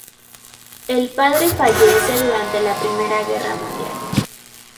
El padre fallece durante la Primera guerra mundial.